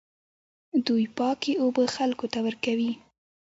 دوی پاکې اوبه خلکو ته ورکوي.